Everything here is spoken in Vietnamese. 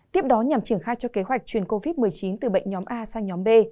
tiếp đó nhằm triển khai cho kế hoạch chuyển covid một mươi chín từ bệnh nhóm a sang nhóm b